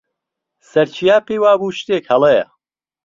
سەرچیا پێی وا بوو شتێک هەڵەیە.